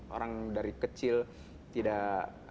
orang dari kecil tidak